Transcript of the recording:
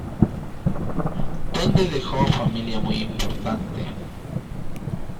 Donde dejó familia muy importante.